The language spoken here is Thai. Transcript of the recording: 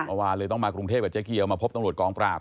เมื่อวานเลยต้องมากรุงเทพกับเจ๊เกียวมาพบตำรวจกองปราบ